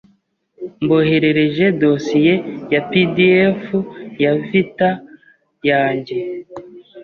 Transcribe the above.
Mboherereje dosiye ya PDF ya vitae yanjye.